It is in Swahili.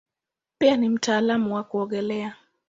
Pia ni mtaalamu wa kuogelea.